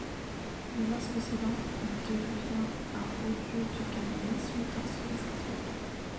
Mais lorsque Sedan devient un haut-lieu du calvinisme, Torcy reste catholique.